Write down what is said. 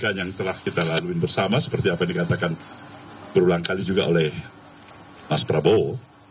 kebijakan yang telah kita lalui bersama seperti apa yang dikatakan berulang kali juga oleh mas prabowo